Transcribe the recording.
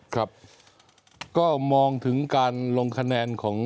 ครับก็มองถึงการลงคะแนนของ